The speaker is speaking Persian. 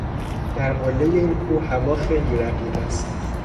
در قلهٔ این کوه هوا خیلی رقیق است.